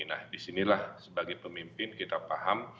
nah disinilah sebagai pemimpin kita paham